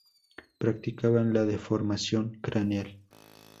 Practicaban la deformación craneal.